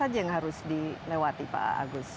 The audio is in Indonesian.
apa yang harus dilewati pak agus